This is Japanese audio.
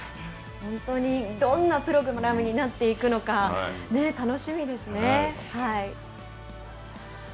本当に、どんなプログラムになっていくのか楽しみですね。